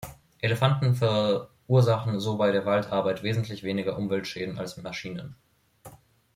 Elefanten verursachen so bei der Waldarbeit wesentlich weniger Umweltschäden als Maschinen.